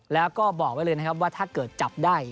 แล้วก็บอกไว้เลยนะครับว่าถ้าเกิดจับได้